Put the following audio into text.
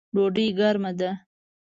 ډوډۍ ګرمه ده